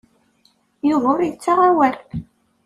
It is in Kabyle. Yuba ur yettaɣ awal.